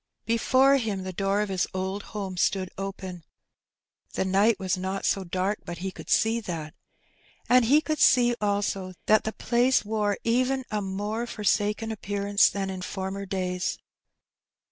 Before him the door of his old home stood open — the night was not so dark but he could see that — and he cotdd see also that the place wore even a more forsaken appearance than in former days.